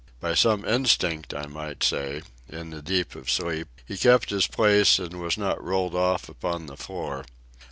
By some instinct, I might say, in the deep of sleep, he kept his place and was not rolled off upon the floor.